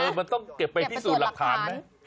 เออมันต้องเก็บไปที่สู่หลักฐานไหม